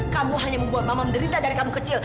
kamu hanya membuat mama menderita dari kamu kecil